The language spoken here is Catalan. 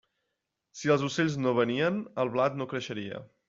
Si els ocells no venien, el blat no creixeria.